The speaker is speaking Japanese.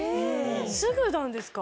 すぐなんですか？